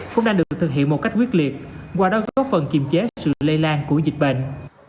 cũng đang được thực hiện một cách quyết liệt qua đó góp phần kiềm chế sự lây lan của dịch bệnh